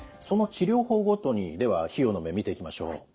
その治療法ごとにでは費用の面見ていきましょう。